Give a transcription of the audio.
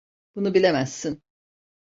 Bunu bilemezsin.